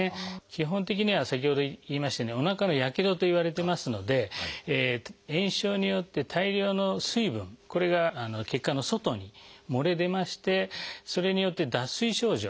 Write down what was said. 基本的には先ほど言いましたようにおなかのやけどといわれてますので炎症によって大量の水分これが血管の外に漏れ出ましてそれによって脱水症状